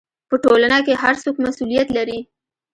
په ټولنه کې هر څوک مسؤلیت لري.